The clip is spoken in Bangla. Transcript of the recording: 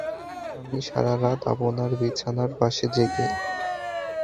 আমি সারা রাত আপনার বিছানার পাশে জেগে।